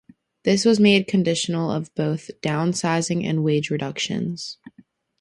This was made conditional of both downsizing and wage reductions.